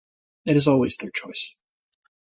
It is always their choice.